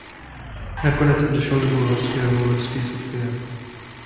Nakonec odešel do bulharského Levski Sofia.